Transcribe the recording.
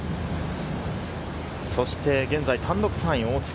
そして現在、単独３位の大槻。